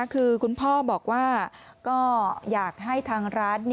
คือคุณพ่อบอกว่าก็อยากให้ทางร้าน